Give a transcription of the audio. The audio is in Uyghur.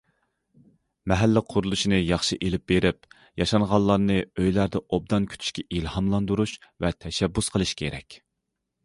مەھەللە قۇرۇلۇشىنى ياخشى ئېلىپ بېرىپ، ياشانغانلارنى ئۆيلەردە ئوبدان كۈتۈشكە ئىلھاملاندۇرۇش ۋە تەشەببۇس قىلىش كېرەك.